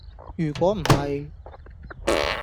如果唔係